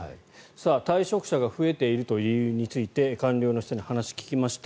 退職者が増えているという理由について官僚の人に話を聞きました。